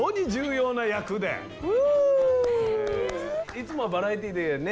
いつもはバラエティーでね